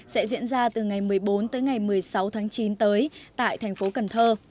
sẽ diễn ra từ ngày một mươi bốn tới ngày một mươi sáu tháng chín tới tại thành phố cần thơ